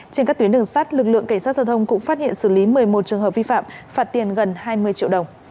trên các tuyến đường sát lực lượng cảnh sát giao thông cũng phát hiện xử lý một mươi một trường hợp vi phạm phạt tiền gần hai mươi triệu đồng